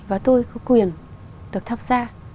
và tôi có quyền được tham gia